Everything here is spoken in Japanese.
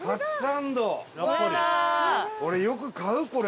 俺よく買うこれ。